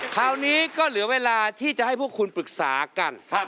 คราวนี้ก็เหลือเวลาที่จะให้พวกคุณปรึกษากัน